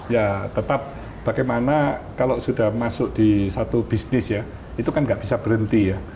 ya tetap bagaimana kalau sudah masuk di satu bisnis ya itu kan nggak bisa berhenti ya